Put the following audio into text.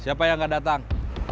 siapa yang tidak datang